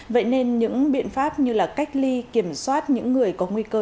vậy nên những biện pháp như cách ly kiểm soát những người có